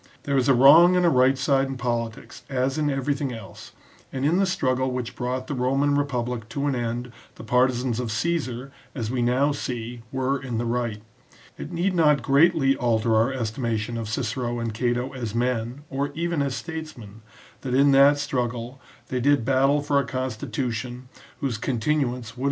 There is a wrong and a right side in politics as in everything else, and in the struggle which brought the Roman republic to an end the partisans of Caesar, as we now see, were in the right. It need not greatly alter our estimation of Cicero and Cato as men, or even as statesmen, that in that struggle they did battle for a constitution whose continuance would NOTE ON SALLUST.